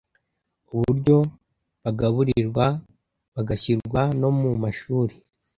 uburyo bagaburirwa bagashyirwa no mu mashuri